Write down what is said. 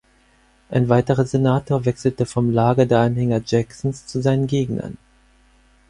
Ein weiterer Senator wechselte vom Lager der Anhänger Jacksons zu seinen Gegnern.